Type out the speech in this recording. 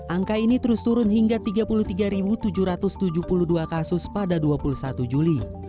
angka ini terus turun hingga tiga puluh tiga tujuh ratus tujuh puluh dua kasus pada dua puluh satu juli